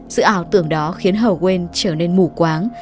sự ảo tưởng đó khiến hờ quên trở nên mù quáng